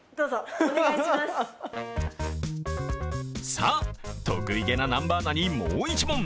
さあ、得意気な南波アナにもう１問。